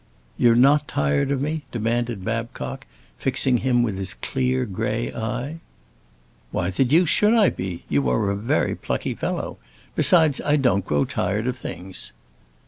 "You are not tired of me?" demanded Babcock, fixing him with his clear gray eye. "Why the deuce should I be? You are a very plucky fellow. Besides, I don't grow tired of things."